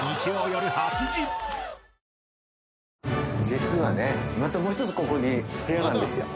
実はねまたもう一つここに部屋があるんですよ。